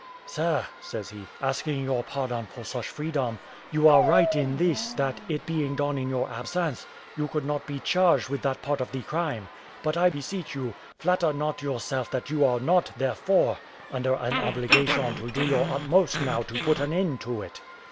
"Sir," says he, "asking your pardon for such freedom, you are right in this, that, it being done in your absence, you could not be charged with that part of the crime; but, I beseech you, flatter not yourself that you are not, therefore, under an obligation to do your utmost now to put an end to it.